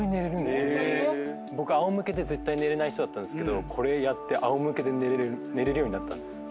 僕あお向けで絶対寝れない人だったんですけどこれやってあお向けで寝れるようになったんです。